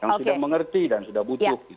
yang sudah mengerti dan sudah butuh